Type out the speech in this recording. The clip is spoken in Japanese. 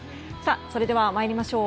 それでは参りましょう。